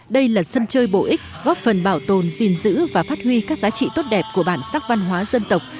đây là sân chơi bổ ích góp phần bảo tồn gìn giữ và phát huy các giá trị tốt đẹp của bản sắc văn hóa dân tộc